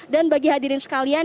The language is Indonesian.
dan bagi hadirin sekalian